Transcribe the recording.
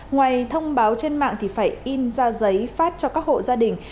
ngoài thông báo trên mạng thì phải in ra giấy phát cho các hộ gia đình